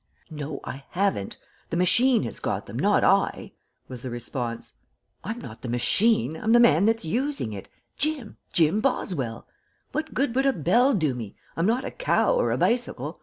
"No, I haven't. The machine has got them, not I," was the response. "I'm not the machine. I'm the man that's using it Jim Jim Boswell. What good would a bell do me? I'm not a cow or a bicycle.